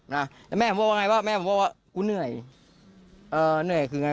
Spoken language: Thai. นะแล้วแม่ผมบอกว่าไงว่าแม่ผมบอกว่ากูเหนื่อยเอ่อเหนื่อยคือไง